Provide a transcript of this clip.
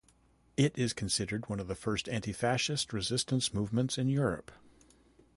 It is considered one of the first anti-fascist resistance movements in Europe.